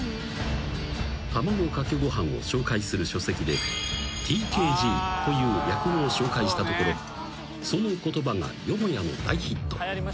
［卵かけご飯を紹介する書籍でＴＫＧという略語を紹介したところその言葉がよもやの大ヒット］